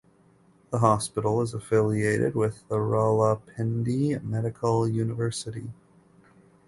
The hospital is affiliated with Rawalpindi Medical University.